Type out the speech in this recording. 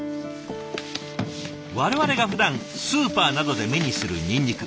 我々がふだんスーパーなどで目にするニンニク。